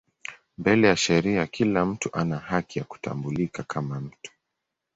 Mbele ya sheria kila mtu ana haki ya kutambulika kama mtu.